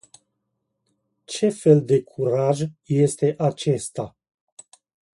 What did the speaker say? Ce fel de curaj este acesta?